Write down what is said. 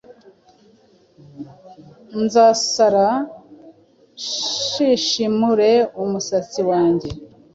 Nzasara, nshishimure umusatsi wanjye;